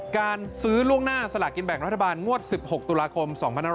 การซื้อล่วงหน้าสลากินแบ่งรัฐบาลงวด๑๖ตุลาคม๒๕๖๒